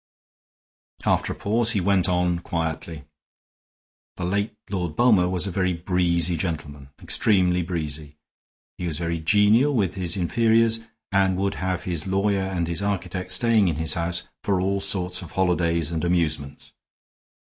After a pause he went on, quietly: "The late Lord Bulmer was a very breezy gentleman, extremely breezy. He was very genial with his inferiors, and would have his lawyer and his architect staying in his house for all sorts of holidays and amusements.